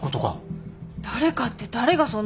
誰かって誰がそんなこと？